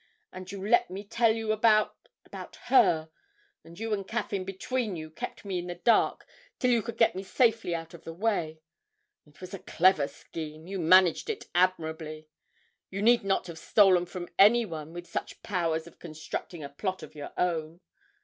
And you let me tell you about about her; and you and Caffyn between you kept me in the dark till you could get me safely out of the way. It was a clever scheme you managed it admirably. You need not have stolen from anyone with such powers of constructing a plot of your own!